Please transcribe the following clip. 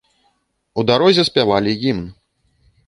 У дарозе спявалі гімн.